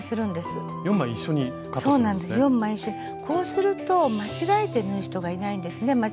こうすると間違えて縫う人がいないんですね。